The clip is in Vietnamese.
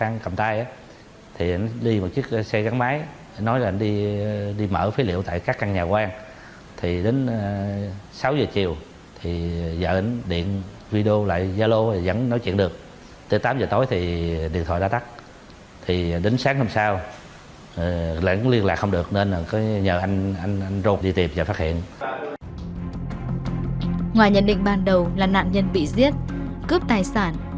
ngoài nhận định ban đầu là nạn nhân bị giết cướp tài sản